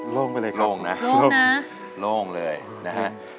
โล่งไปเลยโล่งนะโล่งเลยนะฮะ